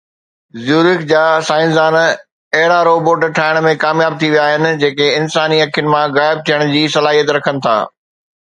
زيورخ جا سائنسدان اهڙا روبوٽ ٺاهڻ ۾ ڪامياب ٿي ويا آهن جيڪي انساني اکين مان غائب ٿيڻ جي صلاحيت رکن ٿا